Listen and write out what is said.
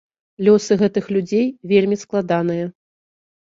Лёсы гэтых людзей вельмі складаныя.